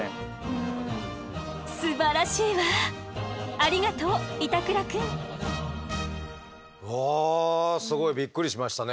ありがとう板倉くん。わすごいびっくりしましたね！